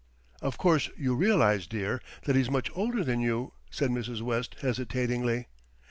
"Of course you realise, dear, that he's much older than you," said Mrs. West hesitatingly.